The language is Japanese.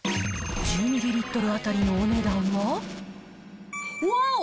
１０ミリリットル当たりのお値段は？わお！